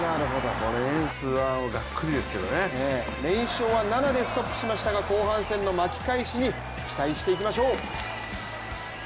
これ、エンスはがっくりですけどね連勝は７でストップしましたが、後半戦の巻き返しに期待していきましょう。